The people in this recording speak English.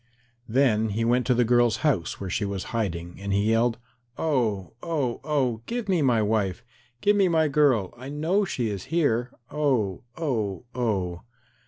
Then he went to the girl's house, where she was hiding, and he yelled, "Oh, oh, oh, give me my wife. Give me my girl. I know she is here. Oh, oh, oh."